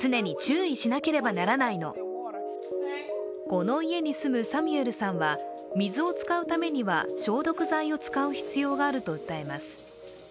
この家に住むサミュエルさんは水を使うためには消毒剤を使う必要があると訴えます。